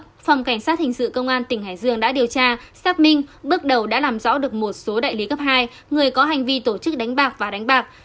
phòng cảnh sát hình sự công an tỉnh hải dương đã điều tra xác minh bước đầu đã làm rõ được một số đại lý cấp hai người có hành vi tổ chức đánh bạc và đánh bạc